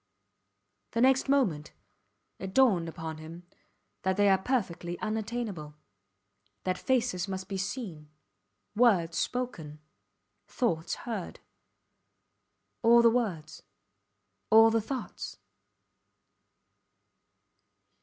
The next moment it dawned upon him that they are perfectly unattainable that faces must be seen, words spoken, thoughts heard. All the words all the thoughts!